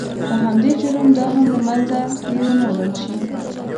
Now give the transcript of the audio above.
په همدې جرم دا هم له منځه یو نه وړل شي.